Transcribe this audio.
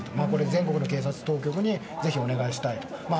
全国の警察当局にぜひお願いしたい。